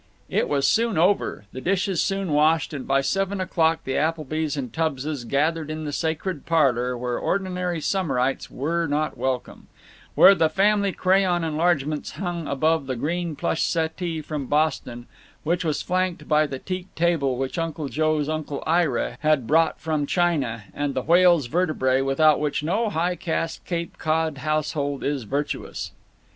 It was soon over, the dishes soon washed, and by seven o'clock the Applebys and Tubbses gathered in the sacred parlor, where ordinary summerites were not welcome, where the family crayon enlargements hung above the green plush settee from Boston, which was flanked by the teak table which Uncle Joe's Uncle Ira had brought from China, and the whale's vertebræ without which no high caste Cape Cod household is virtuous.